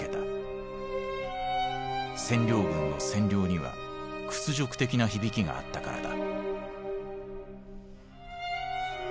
「占領軍」の「占領」には屈辱的な響きがあったからだ。